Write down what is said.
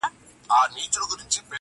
فقط علم او هنر دی چي همېش به جاویدان وي,